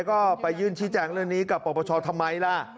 ก็ไปยื่นชี้แจงเรื่องนี้กับปปชทำไมล่ะ